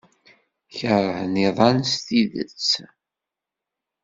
Keṛhen iḍan s tidet.